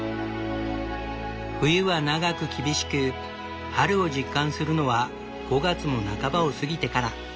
冬は長く厳しく春を実感するのは５月も半ばを過ぎてから。